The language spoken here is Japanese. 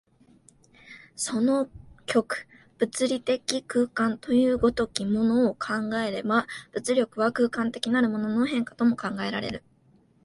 その極、物理的空間という如きものを考えれば、物力は空間的なるものの変化とも考えられる。